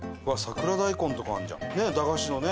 ねえ駄菓子のね。